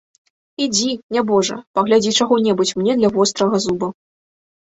Ідзі, нябожа, паглядзі чаго-небудзь мне для вострага зуба.